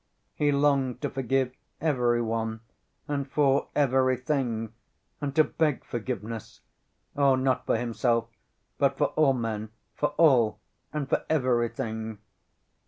He longed to forgive every one and for everything, and to beg forgiveness. Oh, not for himself, but for all men, for all and for everything.